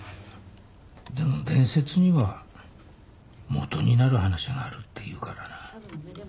でも伝説にはもとになる話があるっていうからな。